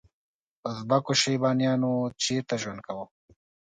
ازبکو شیبانیانو چیرته ژوند کاوه؟